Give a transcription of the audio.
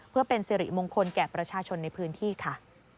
เพื่อเป็นสิริมงคลแก่ประชาชนในพื้นที่ค่ะ